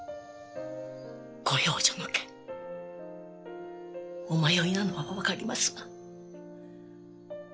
ご養女の件お迷いなのは分かりますが。